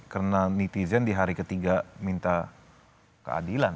karena netizen di hari ketiga minta keadilan